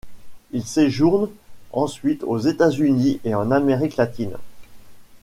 Il séjourne ensuite aux États-Unis et en Amérique Latine.